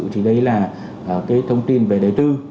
thì đây là cái thông tin về đề tư